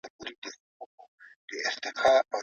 خپل کالي تل په ښه صابون ومینځئ.